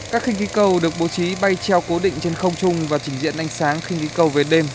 các kinh khí cầu được bố trí bay treo cố định trên không trung và chỉnh diện ánh sáng kinh khí cầu về đêm